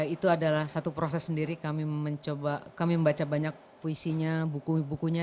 itu adalah satu proses sendiri kami mencoba kami membaca banyak puisinya buku bukunya